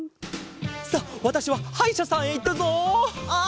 さあわたしははいしゃさんへいってくるぞ！